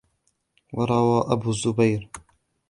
وَرَوَى أَبُو الزُّبَيْرِ